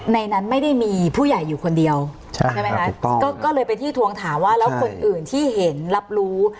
ในนั้นไม่ได้มีผู้ใหญ่อยู่คนเดียวใช่ไหมคะก็เลยเป็นที่ทวงถามว่าแล้วคนอื่นที่เห็นรับรู้